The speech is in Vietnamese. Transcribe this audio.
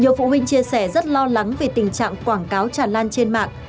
nhiều phụ huynh chia sẻ rất lo lắng về tình trạng quảng cáo tràn lan trên mạng